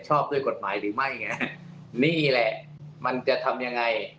ชอบด้วยกฎหมายหรือไม่ไงนี่แหละมันจะทำยังไง